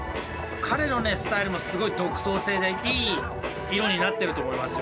彼のスタイルもすごい独創性でいい色になってると思いますよ